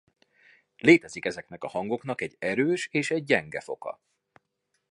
Létezik ezeknek a hangoknak egy erős és egy gyenge foka.